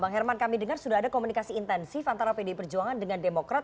bang herman kami dengar sudah ada komunikasi intensif antara pdi perjuangan dengan demokrat